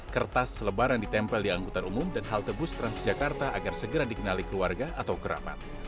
kertas selebaran ditempel di angkutan umum dan halte bus transjakarta agar segera dikenali keluarga atau kerabat